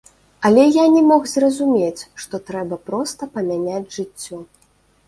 Але я не мог зразумець, што трэба проста памяняць жыццё.